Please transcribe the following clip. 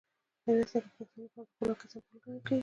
میرویس نیکه د پښتنو لپاره د خپلواکۍ سمبول ګڼل کېږي.